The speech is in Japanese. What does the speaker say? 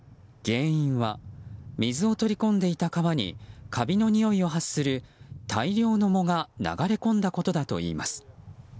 原因は水を取り込んでいた川にカビのにおいを発する大量の藻が流れ込んだことだといいます。